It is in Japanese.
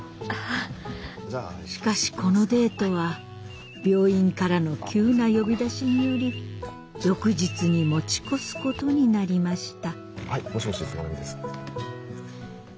しかしこのデートは病院からの急な呼び出しにより翌日に持ち越すことになりました。